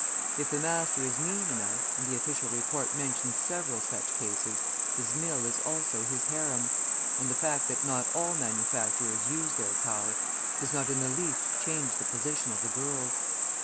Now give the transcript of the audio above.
If the master is mean enough, and the official report mentions several such cases, his mill is also his harem; and the fact that not all manufacturers use their power, does not in the least change the position of the girls.